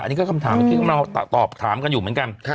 อันนี้ก็คำถามที่เราตอบถามกันอยู่เหมือนกัน